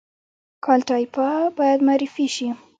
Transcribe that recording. کالтура باید معرفي شي